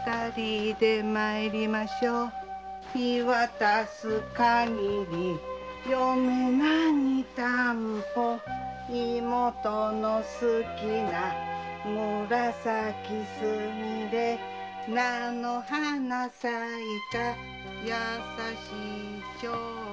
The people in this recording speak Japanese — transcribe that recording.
「見渡すかぎりよめなにたんぽぽ」「妹の好きな紫すみれ」「菜の花咲いた優しい蝶々」